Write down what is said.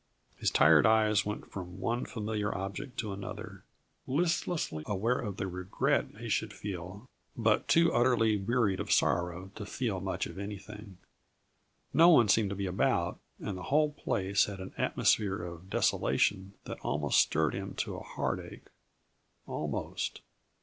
His tired eyes went from one familiar object to another, listlessly aware of the regret he should feel but too utterly wearied of sorrow to feel much of anything. No one seemed to be about, and the whole place had an atmosphere of desolation that almost stirred him to a heartache almost.